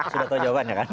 sudah tahu jawabannya kan